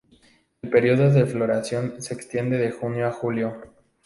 El período de floración se extiende de junio a julio.